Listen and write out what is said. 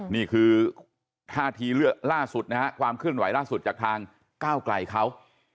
นี่คือท่าทีล่าสุดนะฮะความเคลื่อนไหวล่าสุดจากทางก้าวไกลเขา